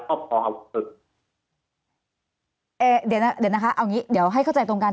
ทอบปอล์ของตืนเดี๋ยวนะเดี๋ยวนะคะเอาอย่างงี้เดี๋ยวให้เข้าใจตรงกัน